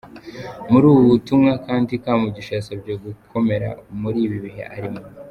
Muri ubu butumwa kandi Kamugisha yasabwe gukomera muri ibi bihe arimo.